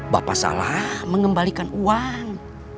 bapak salah mengembalikan uang